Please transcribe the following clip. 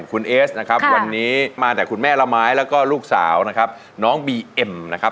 คุณเอสวันนี้มาแต่คุณแม่ร้าไม้แล้วก็ลูกสาวน้องบีเอ็มสวัสดีครับ